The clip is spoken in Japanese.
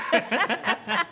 ハハハハ！